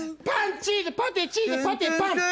パンチーズパテチーズパテパン。